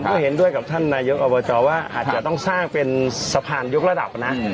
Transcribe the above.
ก็เห็นด้วยกับท่านนายกอบจว่าอาจจะต้องสร้างเป็นสะพานยกระดับนะ